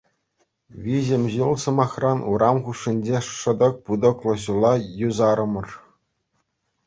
Виҫӗм ҫул, сӑмахран, урам хушшинчи шӑтӑк-путӑклӑ ҫула юсарӑмӑр.